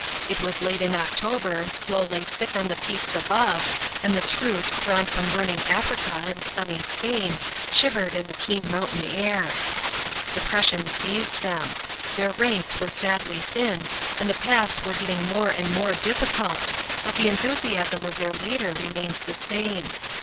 It was late in October, snow lay thick on the peaks above, and the troops, drawn from burning Africa and sunny Spain, shiv ered in the keen mountain air. Depression seized B.C. 2i8.] HANNIBAL'S FEAT. 167 them. Their ranks were sadly thinned, and the paths were getting more anpl more difficult, but the enthusiasm of their leader remained the same.